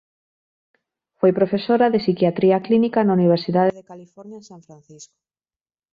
Foi profesora de psiquiatría clínica na Universidade de California en San Francisco.